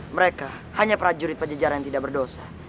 mereka hanya prajurit pajejaran yang tidak berdosa